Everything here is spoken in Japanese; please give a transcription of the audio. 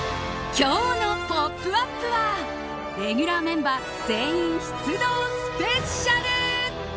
今日の「ポップＵＰ！」はレギュラーメンバー全員出動スペシャル。